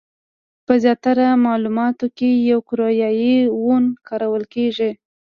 په زیاتره معاملاتو کې کوریايي وون کارول کېږي.